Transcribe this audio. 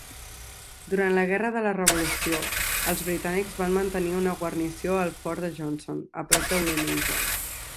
Durant la Guerra de la Revolució, els britànics van mantenir una guarnició al fort de Johnson a prop de Wilmington.